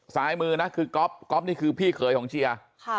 สายมือนะคือกอล์ฟกอล์ฟนี่คือพี่เขยของเจีย